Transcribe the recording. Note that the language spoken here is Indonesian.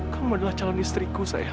kamu adalah calon istriku saya